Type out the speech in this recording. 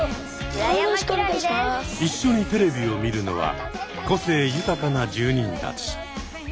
一緒にテレビを見るのは個性豊かな住人たち。